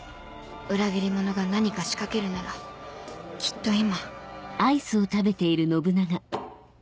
裏切り者が何か仕掛けるならきっと今